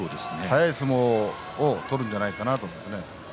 速い相撲を取るんじゃないかなと思います。